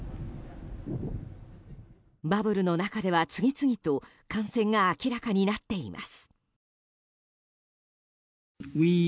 バブルの中では次々と感染が明らかになっています。